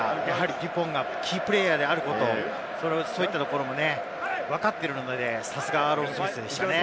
デュポンがキープレイヤーであること、そういったところもね、わかっているので、さすがアーロン・スミスでしたね。